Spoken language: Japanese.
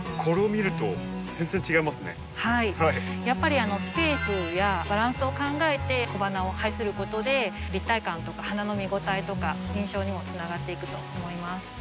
やっぱりスペースやバランスを考えて小花を配することで立体感とか花の見応えとか印象にもつながっていくと思います。